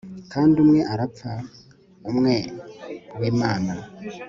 kandi umwe arapfa, umwe wimana